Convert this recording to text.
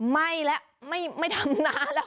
ไม่ละไม่ทำหนาแล้ว